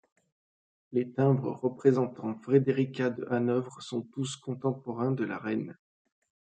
Les timbres représentant Frederika de Hanovre sont tous contemporains de la reine.